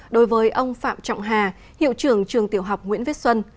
đối với ông phạm trọng hà hiệu trưởng trường tiểu học nguyễn viết xuân